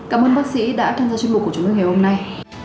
cảm ơn bác sĩ đã tham gia chuyên mục của chúng tôi ngày hôm nay